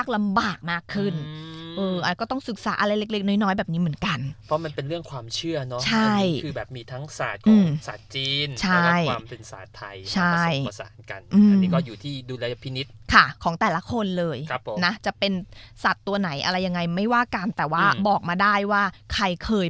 เขาคงจะแบบถ้าเกิดฉันสมหวังนะฉันจะเอาม้าตัวโตมาถวายเลย